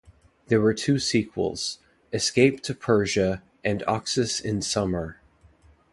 There were two sequels, "Escape to Persia" and "Oxus in Summer".